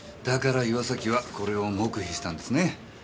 だから岩崎はこれを黙秘したんですね。